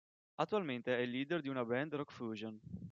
Attualmente è il leader di una band rock-fusion.